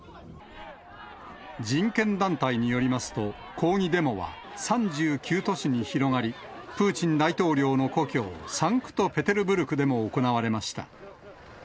人権団体によりますと、抗議デモは３９都市に広がり、プーチン大統領の故郷、サンクトペテルブルクでも行われました。